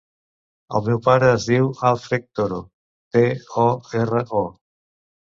El meu pare es diu Acfred Toro: te, o, erra, o.